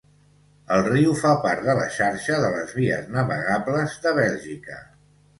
El riu fa part de la xarxa de les vies navegables de Bèlgica.